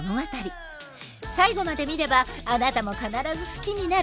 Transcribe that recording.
最後まで見ればあなたも必ず好きになる！